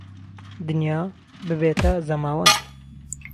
دنیا ببێته زهماوهند